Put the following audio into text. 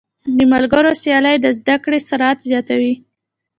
د ملګرو سیالۍ د زده کړې سرعت زیاتوي.